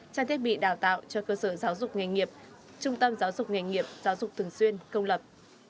trang thiết bị đào tạo cho cơ sở giáo dục nghề nghiệp trung tâm giáo dục nghề nghiệp giáo dục thường xuyên công lập